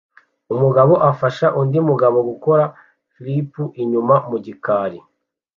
Umugabo afasha undi mugabo gukora flip inyuma mu gikari